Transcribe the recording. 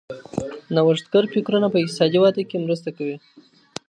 نوښتګر فکرونه په اقتصادي وده کي مرسته کوي.